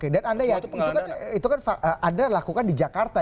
dan itu kan anda lakukan di jakarta